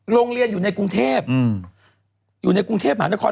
โรงเรียนอยู่ในกรุงเทพอยู่ในกรุงเทพหมานคร